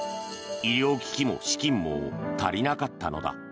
医療機器も資金も足りなかったのだ。